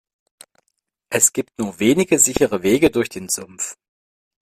Es gibt nur wenige sichere Wege durch den Sumpf.